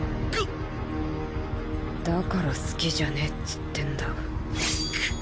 だから好きじゃねえっつってんだ。